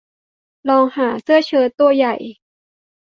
ลองหาเสื้อเชิ้ตตัวใหญ่